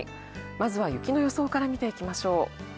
まずは雪の予想から見ていきましょう。